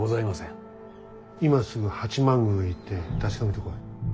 今すぐ八幡宮へ行って確かめてこい。